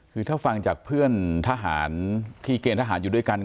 คือถ้าฟังจากเพื่อนทหารที่เกณฑ์ทหารอยู่ด้วยกัน